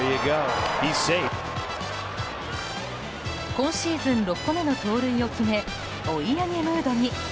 今シーズン６個目の盗塁を決め追い上げムードに。